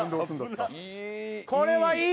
これはいい！